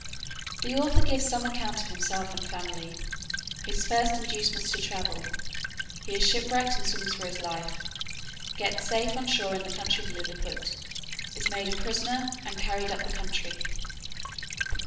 The author gives some account of himself and family. His first inducements to travel. He is shipwrecked, and swims for his life, gets safe on shore in the country of Lilliput; is made a prisoner, and carried up the country.